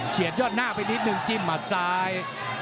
ยอดหน้าไปนิดนึงจิ้มหมัดซ้าย